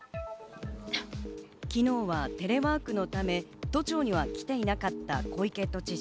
昨日はテレワークのため、都庁には来ていなかった小池都知事。